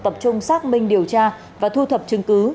tập trung xác minh điều tra và thu thập chứng cứ